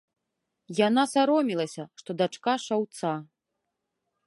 Яна саромелася, што дачка шаўца.